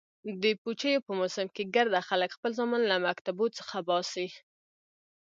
د پوجيو په موسم کښې ګرده خلك خپل زامن له مكتبو څخه اوباسي.